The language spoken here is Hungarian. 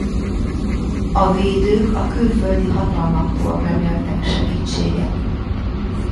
A védők a külföldi hatalmaktól reméltek segítséget.